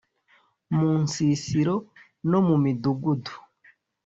mu nsisiro no mu midugudu